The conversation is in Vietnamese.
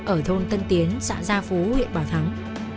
ở thôn tân tiến xã gia phú huyện bảo thắng